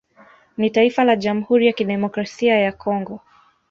Ni taifa la Jamhuri ya Kidemokrasia ya Congo